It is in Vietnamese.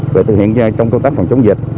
để thực hiện trong công tác phòng chống dịch